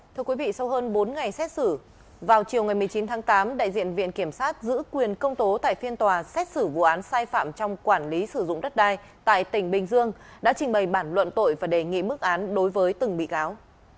thưa quý vị sau hơn bốn ngày xét xử vào chiều một mươi chín tháng tám đại diện viện kiểm sát giữ quyền công tố tại phiên tòa xét xử vụ án sai phạm trong quản lý sử dụng đất đai tại tỉnh bình dương đã trình bày bản luận tội và đề nghị mức án đối với từng bị cáo